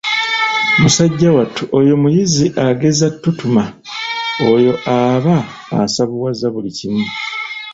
Musajja wattu oyo muyizzi agezza ttutuma, oyo aba asavuwaza buli kimu.